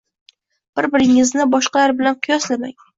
Bir-biringizni boshqalar bilan qiyoslamang.